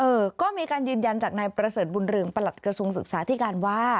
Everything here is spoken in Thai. เออก็มีการยืนยันจากนายประเสริฐบุญเรืองประหลัดกระทรวงศึกษาที่การว่า